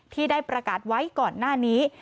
ที่ได้ประกาศไว้ก่อนหน้านี้